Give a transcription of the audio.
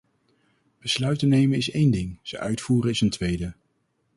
Besluiten nemen is één ding, ze uitvoeren is een tweede.